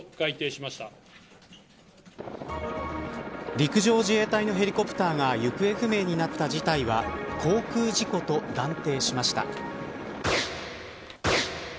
陸上自衛隊のヘリコプターが行方不明になった事態は航空事故と断定しました。